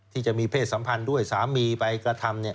ที่มีเพศสัมพันธ์ด้วยสามีไปกระทำ